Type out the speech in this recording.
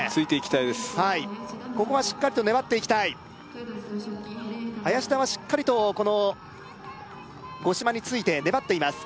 はいここはしっかりと粘っていきたい林田はしっかりとこの五島について粘っています